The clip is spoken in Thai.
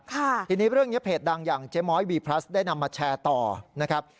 ทีนี้เรื่องนี้เพจดังอย่างเจ๊ม้อยวีพลัสได้นำมาแชร์ต่อนะครับ